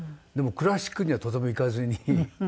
でもクラシックにはとても行かずに。